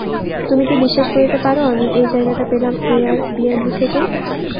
তুমি কি বিশ্বাস করতে পারো আমি এই জায়গাটা পেলাম এয়ারবিএনবি থেকে?